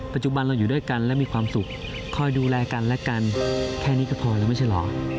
ปัจจุบันเราอยู่ด้วยกันและมีความสุขคอยดูแลกันและกันแค่นี้ก็พอแล้วไม่ใช่เหรอ